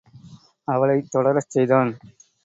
அவளைத் தொடரச் செய்தான்.